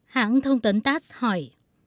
hãng thông tấn tass hỏi